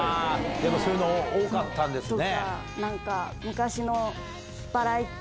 そういうの多かったんですね。